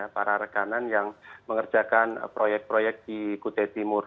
para rekanan yang mengerjakan proyek proyek di kute timur